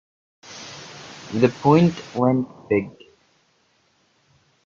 The point went big.